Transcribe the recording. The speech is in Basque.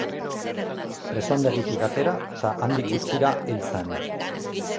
Presondegitik atera, eta handik gutxira hil zen.